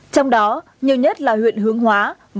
trong đó nhiều nhất là huyện hướng hùng